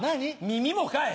耳もかい！